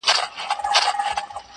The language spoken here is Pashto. د ګودرونو مازیګر به وو له پېغلو ښکلی!!